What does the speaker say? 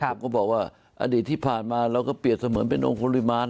ผมก็บอกว่าอดีตที่ผ่านมาเราก็เปรียบเสมือนเป็นองค์คริมาร